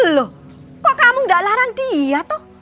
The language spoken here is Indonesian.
loh kok kamu gak larang dia tuh